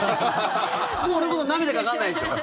もう俺のことなめてかかんないでしょ。